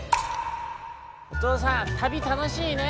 「おとうさん旅たのしいね」。